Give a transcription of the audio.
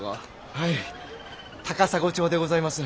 はい高砂町でございます。